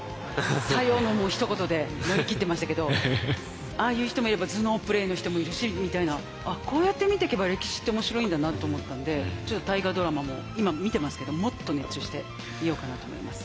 「左様」のもうひと言で乗り切ってましたけどああいう人もいれば頭脳プレーの人もいるしみたいなあっこうやって見てけば歴史って面白いんだなと思ったんでちょっと大河ドラマも今見てますけどもっと熱中して見ようかなと思います。